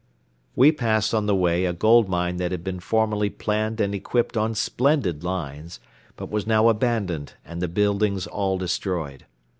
We passed on the way a gold mine that had been formerly planned and equipped on splendid lines but was now abandoned and the buildings all destroyed.